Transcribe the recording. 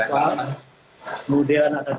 kemudian ada tiga ratus